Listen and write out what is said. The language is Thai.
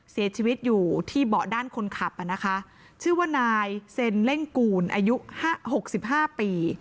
เสียชีวิตอยู่ที่เบาะด้านคนขับอ่ะนะคะชื่อว่านายเซ็นเล่งกูลอายุห้าหกสิบห้าปี